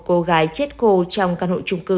cô gái chết cô trong căn hộ trung cư